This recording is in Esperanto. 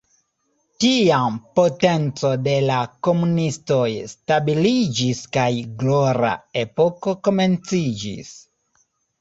Tiam potenco de la komunistoj stabiliĝis kaj "glora epoko" komenciĝis.